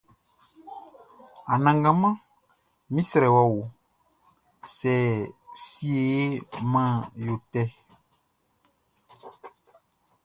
Anangaman mi srɛ wɔ o, siɛ he man yo tɛ.